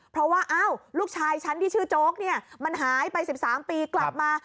เพราะว่าลูกชายฉันที่ชื่อโจ๊กเนี่ยมันหายไป๑๓ปีกลับมา